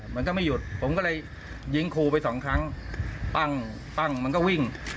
มันก็ไม่หยุดผมก็เลยยิงครูไปสองครั้งปั้งปั้งมันก็วิ่ง